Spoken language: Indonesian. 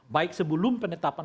baik sebelum penetapan